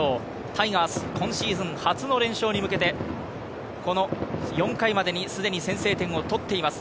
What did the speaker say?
タイガース、今シーズン初の連勝に向けて、この４回までにすでに先制点を取っています。